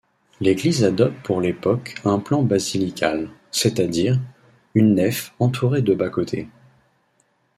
L'église adopte pour l'époque un plan basilical, c'est-à-dire, une nef entourée de bas-côtés.